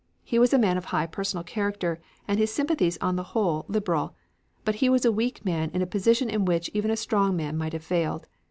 He was a man of high personal character, and his sympathies on the whole, liberal; but he was a weak man in a position in which even a strong man might have failed.